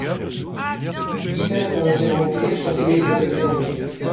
Dieter est un ancien vampire, chancelier de l'Autorité vampirique.